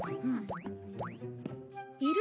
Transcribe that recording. いる？